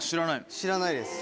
知らないです。